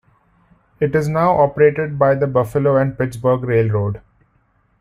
It is now operated by the Buffalo and Pittsburgh Railroad.